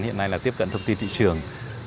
hiện nay là tiếp cận thông tin thị trường